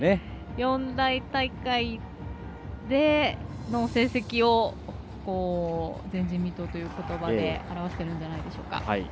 四大大会の成績を前人未到ということばで表しているんじゃないでしょうか。